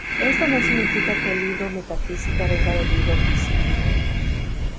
Esto no significa que" el libro "Metafísica" venga del libro ""Física"".